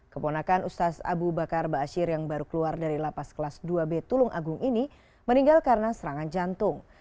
keponakan ustaz abu bakar basir yang baru keluar dari lapas kelas dua b tulung agung ini meninggal karena serangan jantung